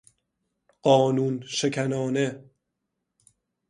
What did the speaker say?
قانون شکنانه